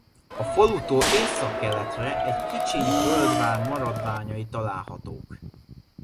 A falutól északkeletre egy kicsiny földvár maradványai találhatók.